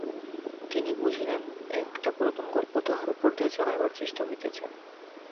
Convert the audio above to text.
তিনি বুঝিলেন একটা পুরাতন গল্প তাঁহার উপর দিয়া চালাইবার চেষ্টা হইতেছে।